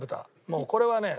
もうこれはね